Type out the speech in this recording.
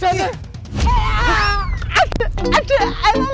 hajar bangdik hajar